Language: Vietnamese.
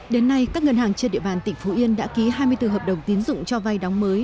đến nay các ngân hàng trên địa bàn tỉnh phú yên đã ký hai mươi bốn hợp đồng tín dụng cho vay đóng mới